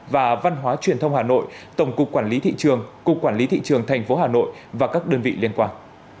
và văn hóa truyền thông hà nội tổng cục quản lý thị trường cục quản lý thị trường tp hà nội và các đơn vị liên quan